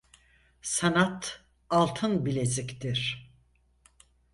Sanat altın bileziktir.